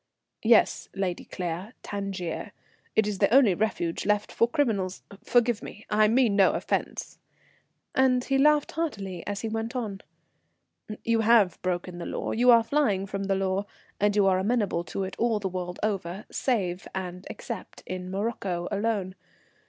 "Yes, Lady Claire, Tangier. It is the only refuge left for criminals forgive me, I mean no offence," and he laughed heartily as he went on. "You have broken the law, you are flying from the law, and you are amenable to it all the world over, save and except in Morocco alone.